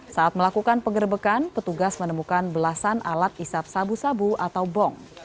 saat melakukan pengerebekan petugas menemukan belasan alat isap sabu sabu atau bong